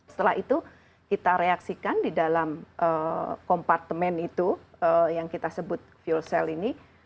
setelah itu kita reaksikan di dalam kompartemen itu yang kita sebut fuel cell ini